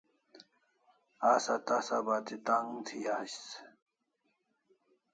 Asa tasa bati t'ang thi ais